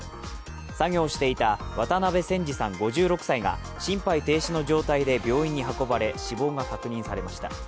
作業をしていた渡辺仙二さん５６歳が心肺停止の状態で病院に運ばれ、死亡が確認されました。